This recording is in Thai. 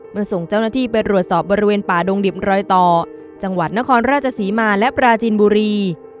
ส่งเจ้าหน้าที่ไปรวดสอบบริเวณป่าดงดิบรอยต่อจังหวัดนครราชศรีมาและปราจินบุรี